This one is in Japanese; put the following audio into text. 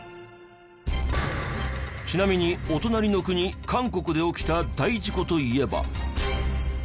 ちなみにお隣の国韓国で起きた大事故といえば。